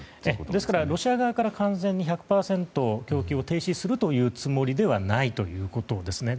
ですから、ロシア側から完全に１００％、供給を停止するというつもりではないということですね。